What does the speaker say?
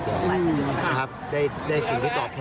จังหวะที่คุณบินกับคุณไทยพูดถึงนะคะ